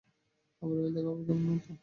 -আবার এলে দেখা হবে, কেমন তো?